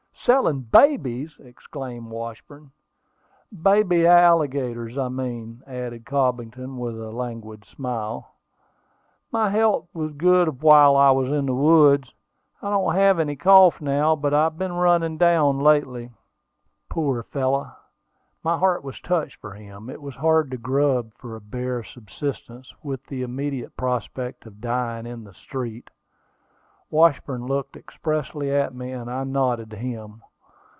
"Selling babies!" exclaimed Washburn. "Baby alligators, I mean," added Cobbington, with a languid smile. "My health was good while I was in the woods; I don't have any cough now, but I've been running down lately." Poor fellow! My heart was touched for him. It was hard to grub for a bare subsistence, with the immediate prospect of dying in the street. Washburn looked expressively at me, and I nodded to him.